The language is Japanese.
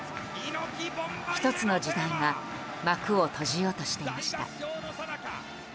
１つの時代が幕を閉じようとしていました。